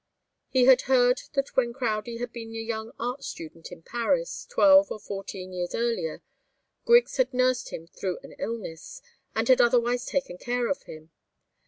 He had heard that when Crowdie had been a young art student in Paris, twelve or fourteen years earlier, Griggs had nursed him through an illness, and had otherwise taken care of him.